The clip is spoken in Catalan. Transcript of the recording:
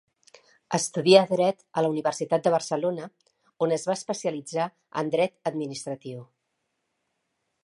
Estudià dret a la Universitat de Barcelona, on es va especialitzar en dret administratiu.